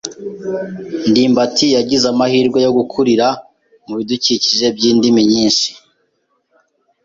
ndimbati yagize amahirwe yo gukurira mubidukikije byindimi nyinshi.